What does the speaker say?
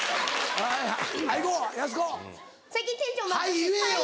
「はい」言えよ。